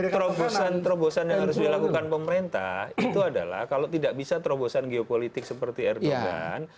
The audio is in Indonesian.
jadi terobosan terobosan yang harus dilakukan pemerintah itu adalah kalau tidak bisa terobosan geopolitik seperti erdogan